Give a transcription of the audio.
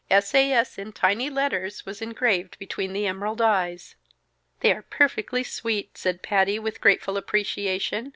S. A. S. in tiny letters was engraved between the emerald eyes. "They are perfectly sweet!" said Patty, with grateful appreciation.